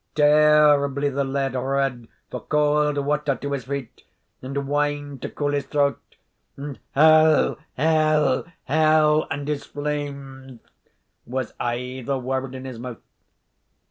Terribly the laird roared for cauld water to his feet, and wine to cool his throat; and 'Hell, hell, hell, and its flames', was aye the word in his mouth.